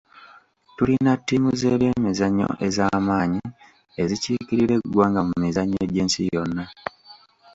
Tulina ttiimu z'ebyemizannyo ez'amaanyi ezikiikirira eggwanga mu mizannyo gy'ensi yonna.